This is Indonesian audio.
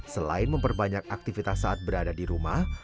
selain memperbanyak aktivitas saat berada di rumah